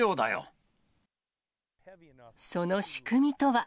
その仕組みとは。